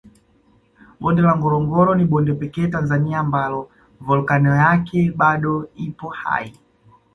Bonde la Ngorongoro ni bonde pekee Tanzania ambalo volkano yake bado ipo hai